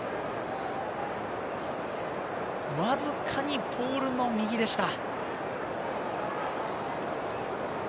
わずかにポールの右でした。